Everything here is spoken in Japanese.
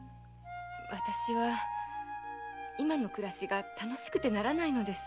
私は今の暮らしが楽しくてならないのです。